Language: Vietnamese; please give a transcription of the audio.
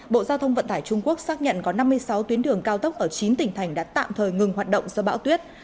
bộ giao thông vận tải trung quốc xác nhận có năm mươi sáu tuyến đường cao tốc ở chín tỉnh thành đã tạm thời ngừng hoạt động do bão tuyết